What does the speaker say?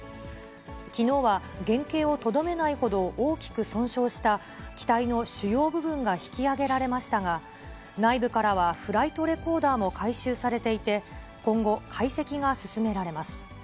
きのうは原形をとどめないほど、大きく損傷した機体の主要部分が引き揚げられましたが、内部からはフライトレコーダーも回収されていて、今後、解析が進められます。